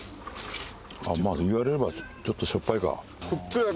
まあ言われればちょっとしょっぱいか。